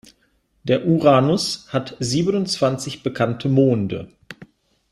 Der Uranus hat siebenundzwanzig bekannte Monde.